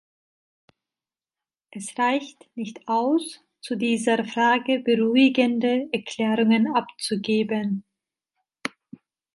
Es reicht nicht aus, zu dieser Frage beruhigende Erklärungen abzugeben.